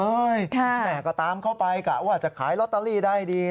แม่ก็ตามเข้าไปกะว่าจะขายลอตเตอรี่ได้ดี